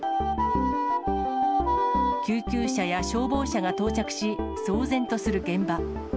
救急車や消防車が到着し、騒然とする現場。